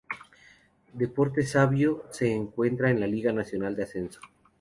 Deportes Savio se encuentra en la Liga Nacional de Ascenso.